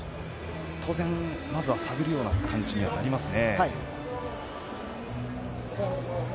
当然、探るような感じにはなりますね。